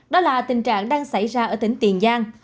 đó là tình trạng đang xảy ra ở tỉnh tiền giang